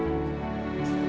tapi tunggu sebentar